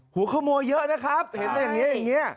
หัวขโมยเยอะนะครับเห็นอย่างเงี้ย